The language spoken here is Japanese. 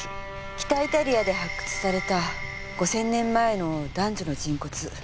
北イタリアで発掘された５０００年前の男女の人骨。